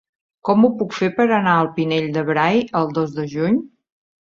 Com ho puc fer per anar al Pinell de Brai el dos de juny?